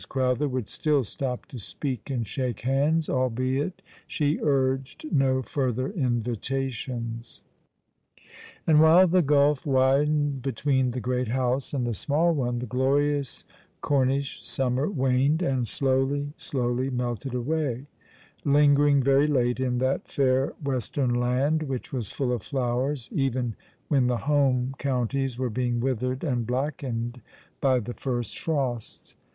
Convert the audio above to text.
Crowther would still stop to speak and shake hands, albeit she urged no further invitations. And while the gulf widened between the great house and the small one the glorious Cornish summer waned, and slowly, slowly, melted away, lingering very late in that fair western land, which was full of flowers even when the home counties were being withered and blackened by the first frosts.